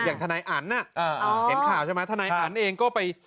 อย่างธนัยอันทร์น่ะอ่าเห็นข่าวใช่ไหมธนัยอันทร์เองก็ไป